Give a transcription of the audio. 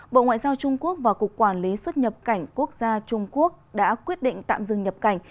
bộ ngoại giao trung quốc và cục quản lý xuất nhập cảnh quốc gia trung quốc đã quyết định tạm dừng nhập cảnh